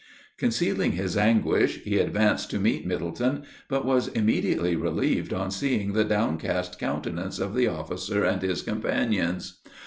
Concealing his anguish, he advanced to meet Middleton, but was immediately relieved on seeing the downcast countenance of the officer and his companions.